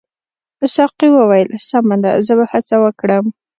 ساقي وویل سمه ده زه به هڅه وکړم.